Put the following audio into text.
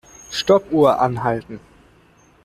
Stoppuhr anhalten.